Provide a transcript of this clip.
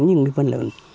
nhưng mà họ làm theo được